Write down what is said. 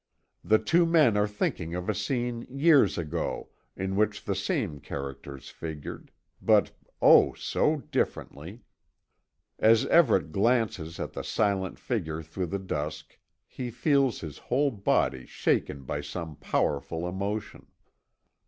The two men are thinking of a scene years ago, in which the same characters figured, but oh, so differently! As Everet glances at the silent figure through the dusk, he feels his whole body shaken by some powerful emotion.